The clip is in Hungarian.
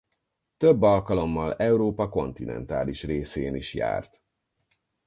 Több alkalommal Európa kontinentális részén is járt.